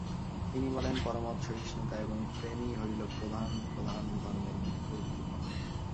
তিনি বলেন, পরমত-সহিষ্ণুতা এবং প্রেমই হইল প্রধান প্রধান ধর্মের মুখ্য উদ্দীপনা।